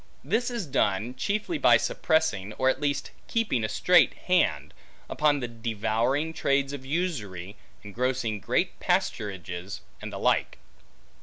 This is done, chiefly by suppressing, or at least keeping a strait hand, upon the devouring trades of usury, ingrossing great pasturages, and the like.